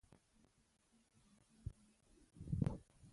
مس د افغانستان د جغرافیوي تنوع مثال دی.